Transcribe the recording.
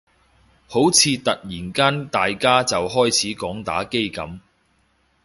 好似突然間大家就開始講打機噉